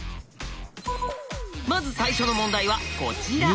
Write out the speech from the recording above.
まず最初の問題はこちら。